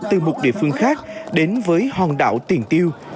từ một địa phương khác đến với hòn đảo tiền tiêu